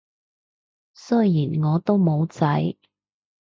雖然我都冇仔